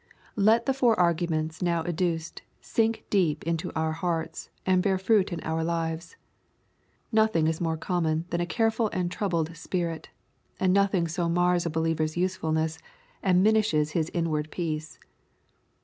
Let the four arguments now adduced sink deep into our hearts, and bear fruit in our lives. Nothing is more common than a careful and troubled spirit, and nothing so mars a believer's usefulness, and minishes his inward peace.